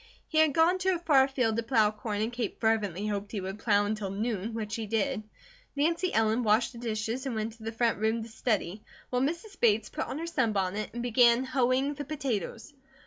He had gone to a far field to plow corn and Kate fervently hoped he would plow until noon, which he did. Nancy Ellen washed the dishes, and went into the front room to study, while Mrs. Bates put on her sunbonnet and began hoeing the potatoes.